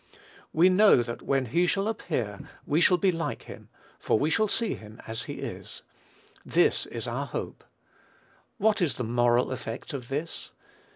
"We know that when he shall appear, we shall be like him, for we shall see him as he is." This is our hope. What is the moral effect of this?